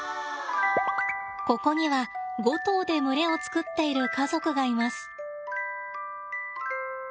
ここには５頭で群れを作っている家族がいます。